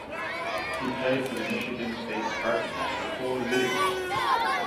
He played for the Michigan State Spartans for four years.